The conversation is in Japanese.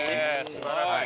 素晴らしい。